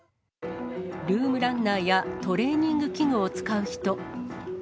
ルームランナーやトレーニング器具を使う人。